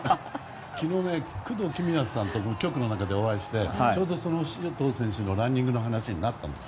昨日、工藤公康さんと局の中でお会いしてちょうど周東選手のランニングの話になったんです